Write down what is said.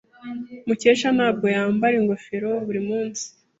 Mukesha ntabwo yambara ingofero buri munsi.